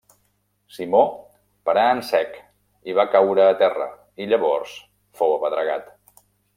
Simó parà en sec i va caure a terra, i llavors fou apedregat.